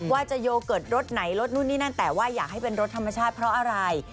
ว่าจะโยเกิร์ตรสไหนรสนู่นนี่นั่นแต่ว่าอยากให้เป็นรสธรรมชาติเพราะอะไร